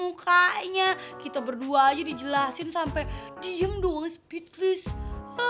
langsung mukanya kita berdua aja dijelasin sampai dijam doang speedlist